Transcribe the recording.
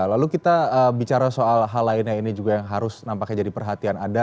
lalu kita bicara soal hal lainnya ini juga yang harus nampaknya jadi perhatian anda